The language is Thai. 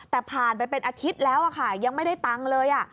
แต่ผ่านไปเป็นอาทิตย์แล้วค่ะยังไม่ได้ตังค์เลย